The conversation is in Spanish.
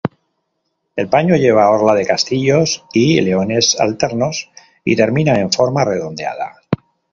El paño lleva orla de castillos y leones alternos, y termina en forma redondeada.